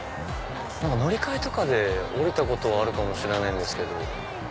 乗り換えとかで降りたことはあるかもしれないんですけど。